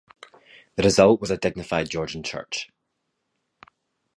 The result was a dignified Georgian church.